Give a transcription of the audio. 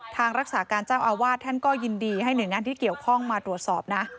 ทางรักษาการเจ้าอาวาสท่านก็ยินดีให้หน่วยงานที่เกี่ยวข้องมาตรวจสอบนะ